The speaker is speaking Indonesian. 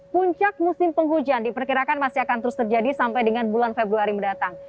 puncak musim penghujan diperkirakan masih akan terus terjadi sampai dengan bulan februari mendatang